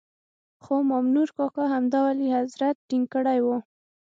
خو مامنور کاکا همدا ولي حضرت ټینګ کړی وو.